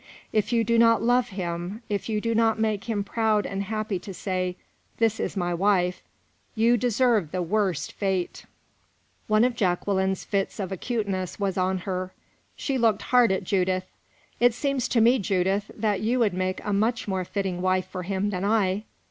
If you do not love him, if you do not make him proud and happy to say, 'This is my wife,' you deserve the worst fate " One of Jacqueline's fits of acuteness was on her. She looked hard at Judith. "It seems to me, Judith, that you would make a much more fitting wife for him than I."